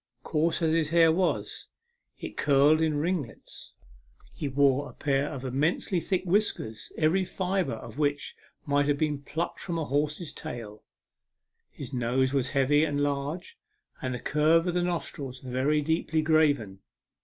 Coarse as his hair was, it curled in ringlets. He wore a pair of 5 64 A MEMORABLE SWIM. immensely thick whiskers, every fibre of which might have been plucked from a horse's tail. His nose was heavy and large, and the curve of the nostrils very deeply graven.